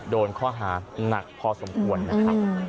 โดนข้อหานักพอสมควรนะครับ